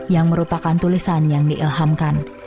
yang merupakan tulisan yang diilhamkan